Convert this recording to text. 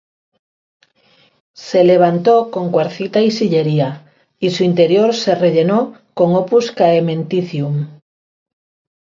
Se levantó con cuarcita y sillería y su interior se rellenó con "opus caementicium".